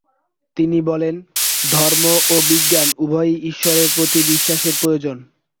তিনি বলেন, "ধর্ম ও বিজ্ঞান উভয়ই ঈশ্বরের প্রতি বিশ্বাসের প্রয়োজন।